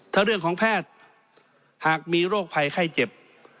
ถ้าเรื่องของแพทย์หากมีโรคภัยไข้เจ็บ